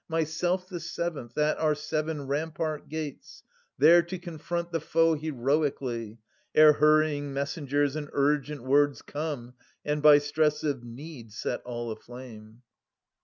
Myself the seventh, at our seven rampart gates, There to confront the foe heroically. Ere hurrying messengers and urgent words Come, and by stress of need set all aflame.